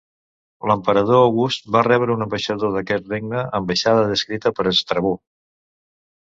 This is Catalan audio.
L'emperador August va rebre un ambaixador d'aquest regne, ambaixada descrita per Estrabó.